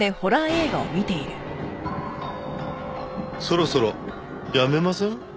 「」そろそろやめません？